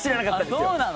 そうなの？